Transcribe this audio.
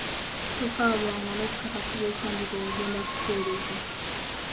Kyokka wabula nga n'okukakasibwa e Kyambogo yagenda kikeerezi.